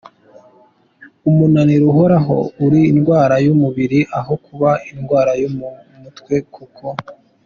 umunaniro uhoraho ari indwara y’umubiri aho kuba indwara yo mu mutwe kuko